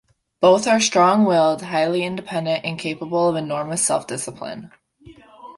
Both are strong-willed, highly independent, and capable of enormous self-discipline.